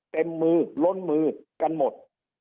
เต็มมือล้นมือกันหมด